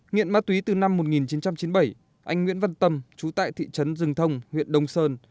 nghiện ma túy từ năm một nghìn chín trăm chín mươi bảy anh nguyễn văn tâm chú tại thị trấn rừng thông huyện đông sơn